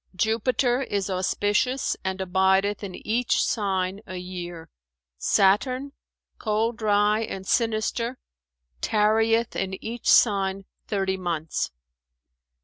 Jupiter is auspicious and abideth in each sign a year. Saturn, cold dry and sinister, tarrieth in each sign thirty months.